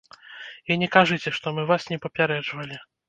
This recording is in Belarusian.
І не кажыце, што мы вас не папярэджвалі.